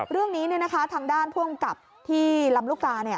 เรื่องนี้ทางด้านพ่วงกลับที่ลำลูกตา